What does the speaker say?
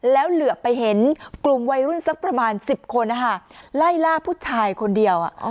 แล้วเหลือไปเห็นกลุ่มวัยรุ่นสักประมาณ๑๐คนไล่ล่าผู้ชายคนเดียว